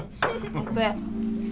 ＯＫ。